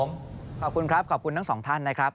ขอบคุณครับขอบคุณทั้งสองท่านนะครับ